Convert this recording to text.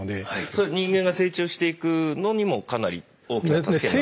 それは人間が成長していくのにもかなり大きな助けに。